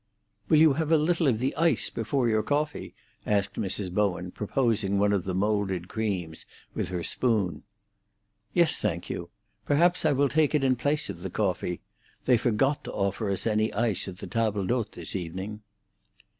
"Will you have a little of the ice before your coffee?" asked Mrs. Bowen, proposing one of the moulded creams with her spoon. "Yes, thank you. Perhaps I will take it in place of the coffee. They forgot to offer us any ice at the table d'hôte this evening."